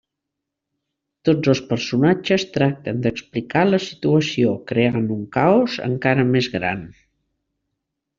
Tots els personatges tracten d'explicar la situació, creant un caos encara més gran.